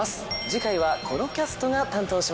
次回はこのキャストが担当します。